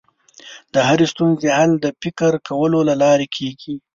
د هرې ستونزې حل د فکر کولو له لارې کېږي.